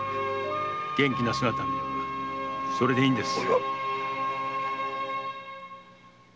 元気な姿見ればそれでいいんです。